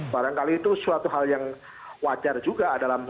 barangkali itu suatu hal yang wajar juga